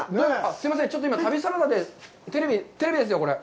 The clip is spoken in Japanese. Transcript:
すいません、ちょっと今、「旅サラダ」で。テレビですよ、これ。